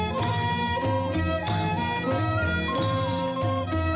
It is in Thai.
จริง